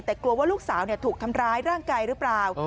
แต่กลัวว่าลูกสาวถูกทำร้ายร่างกายหรือเปล่า